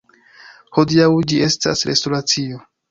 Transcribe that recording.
Hodiaŭ ĝi estas restoracio.